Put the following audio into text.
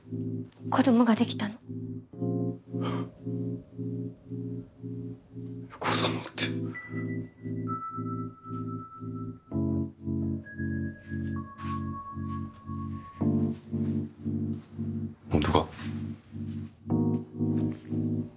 子供ができたの子供ってホントか？